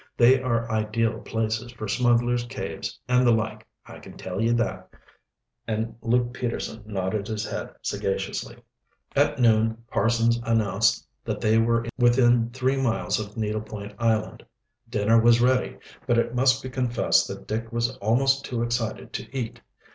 They are ideal places for smugglers' caves and the like, I can tell ye that," and Luke Peterson nodded his head sagaciously. At noon Parsons announced that they were within three miles of Needle Point Island. Dinner was ready, but it must be confessed that Dick was almost too excited to eat.